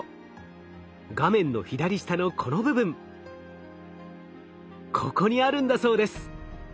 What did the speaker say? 画面の左下のこの部分ここにあるんだそうです。